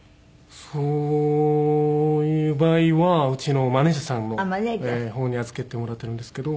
そういう場合はうちのマネジャーさんの方に預かってもらってるんですけど。